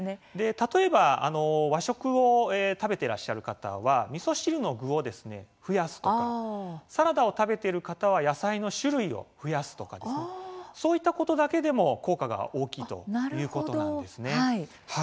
例えば和食を食べてらっしゃる方はみそ汁の具を増やすとかサラダを食べている方は野菜の種類を増やすとかそういったことだけでも効果が大きいということなんですね。